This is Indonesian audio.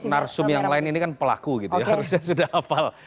narsum yang lain ini kan pelaku gitu ya harusnya sudah hafal